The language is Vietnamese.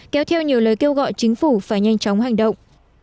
kéo theo nhiều lời kêu gọi chính phủ phải nhanh chóng hành động